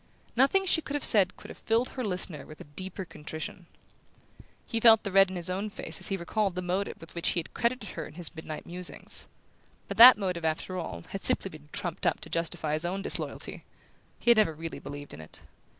Nothing she could have said could have filled her listener with a deeper contrition. He felt the red in his own face as he recalled the motive with which he had credited her in his midnight musings. But that motive, after all, had simply been trumped up to justify his own disloyalty: he had never really believed in it.